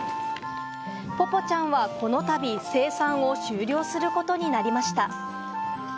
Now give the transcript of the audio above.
ぽぽちゃんは、この度、生産を終了することになりました。